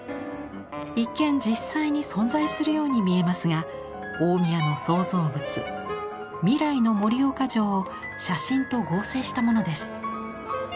一見実際に存在するように見えますが大宮の創造物「未来の盛岡城」を写真と合成したものです。